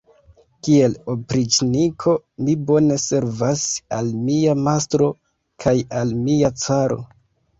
Kiel opriĉniko mi bone servas al mia mastro kaj al mia caro.